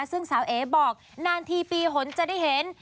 ซึ่งสาวเอ๋บอกนานทีปีหนจะได้เห็น